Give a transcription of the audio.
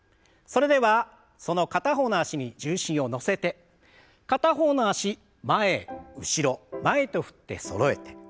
それではその片方の脚に重心を乗せて片方の脚前後ろ前と振ってそろえて。